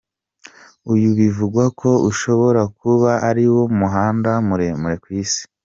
Uyu bivugwa ko ushobora kuba ariwo muhanda muremure ku isi .